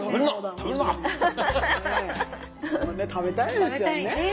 食べたいですよね。